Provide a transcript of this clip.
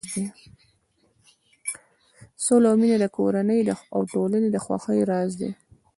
سوله او مینه د کورنۍ او ټولنې د خوښۍ راز دی.